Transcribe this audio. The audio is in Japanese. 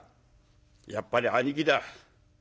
やっぱり兄貴だ。